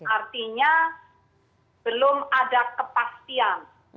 artinya belum ada kepastian